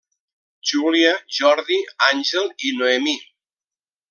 Júlia, Jordi, Àngel i Noemí.